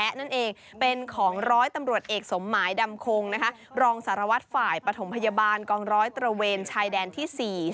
รองสารวัตรฝ่ายปฐมพยาบาลกองร้อยตระเวนชายแดนที่๔๓๕